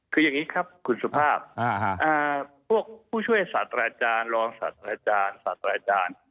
คือยังนี้ครับคุณสุภาพพวกผู้ช่วยสาธาราจารย์รองสาธาราจารย์สาธาราจารย์